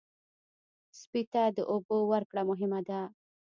سپي ته د اوبو ورکړه مهمه ده.